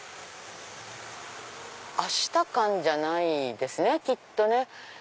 アシタカンじゃないですねきっとね。